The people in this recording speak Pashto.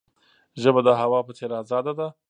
ژبه د هوا په څیر آزاده ده.